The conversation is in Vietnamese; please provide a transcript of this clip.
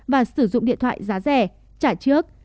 và sử dụng điện thoại giá rẻ trả trước